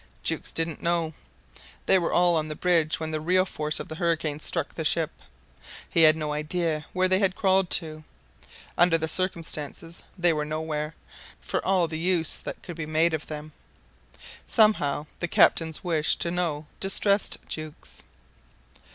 Jukes didn't know. They were all on the bridge when the real force of the hurricane struck the ship. He had no idea where they had crawled to. Under the circumstances they were nowhere, for all the use that could be made of them. Somehow the Captain's wish to know distressed Jukes.